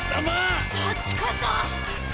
そっちこそ！